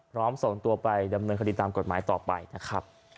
ส่งตัวไปดำเนินคดีตามกฎหมายต่อไปนะครับ